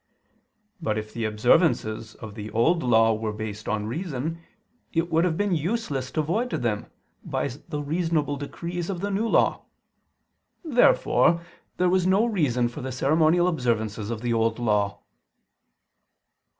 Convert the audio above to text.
But if the observances of the Old Law were based on reason, it would have been useless to void them by the reasonable decrees of the New Law. Therefore there was no reason for the ceremonial observances of the Old Law.